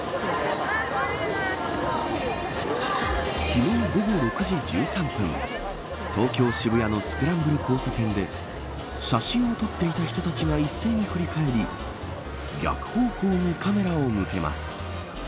昨日の午後６時１３分東京、渋谷のスクランブル交差点で写真を撮っていた人たちが一斉に振り返り逆方向にカメラを向けます。